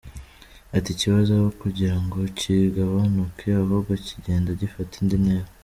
Ati “Ikibazo aho kugira ngo kigabanuke ahubwo kigenda gifata indi ntera.